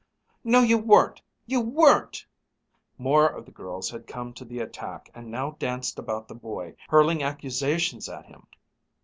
"No, you weren't you weren't!" More of the girls had come to the attack, and now danced about the boy, hurling accusations at him.